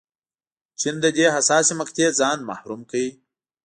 چین له دې حساسې مقطعې ځان محروم کړ.